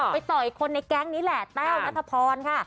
ต่อยคนในแก๊งนี้แหละแต้วนัทพรค่ะ